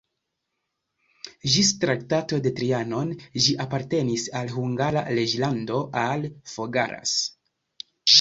Ĝis Traktato de Trianon ĝi apartenis al Hungara reĝlando, al Fogaras.